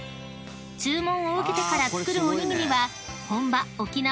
［注文を受けてから作るおにぎりは］